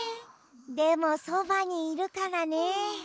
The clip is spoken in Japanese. でもそばにいるからね。